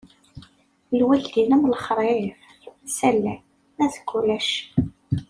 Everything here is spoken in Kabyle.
Lwaldin am lexrif, ass-a llan, azekka ulac.